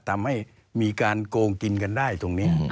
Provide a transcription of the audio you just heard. ทำให้มีการโกงกินกันได้ตรงนี้